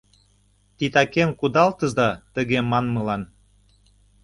Титакем кудалтыза тыге манмылан.